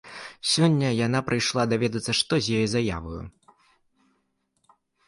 Сёння яна прыйшла даведацца, што з яе заяваю.